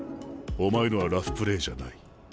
お前のはラフプレーじゃない。